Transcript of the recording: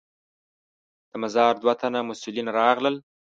د مزار دوه تنه مسوولین راغلل.